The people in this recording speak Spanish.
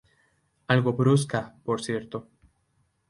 Algo brusca, por cierto.